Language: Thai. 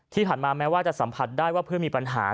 ที่ผ่านมาแม้ว่าจะสัมผัสได้ว่าเพื่อนมีปัญหา